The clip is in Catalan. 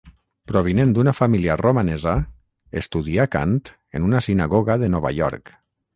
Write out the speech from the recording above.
Provinent d'una família romanesa, estudià cant en una sinagoga de Nova York.